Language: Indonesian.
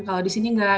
kalau di sini nggak